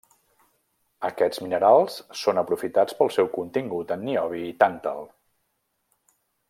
Aquests minerals són aprofitats pel seu contingut en niobi i tàntal.